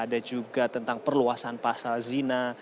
ada juga tentang perluasan pasal zina